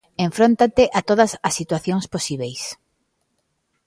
Enfróntante a todas as situacións posíbeis.